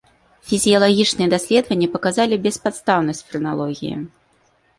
Фізіялагічныя даследаванні паказалі беспадстаўнасць фрэналогіі.